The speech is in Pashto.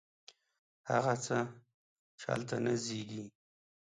هغه څه، چې هلته نه زیږي